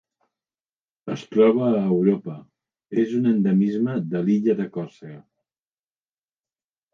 Es troba a Europa: és un endemisme de l'illa de Còrsega.